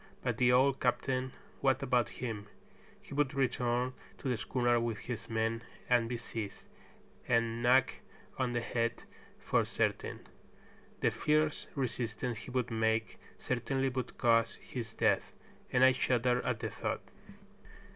But the old captain, what about him? He would return to the schooner with his men and be seized, and knocked on the head for certain. The fierce resistance he would make certainly would cause his death, and I shuddered at the thought.